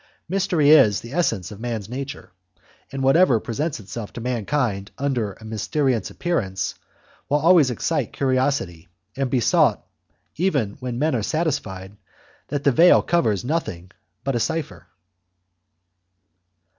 Mystery is the essence of man's nature, and whatever presents itself to mankind under a mysterious appearance will always excite curiosity and be sought, even when men are satisfied that the veil covers nothing but a cypher.